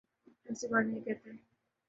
ایسی بات نہیں کہتے